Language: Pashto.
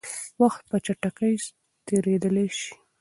وخت په چټکۍ تېرېدلی شي.